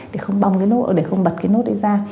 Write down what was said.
thì không bong cái nốt để không bật cái nốt đấy ra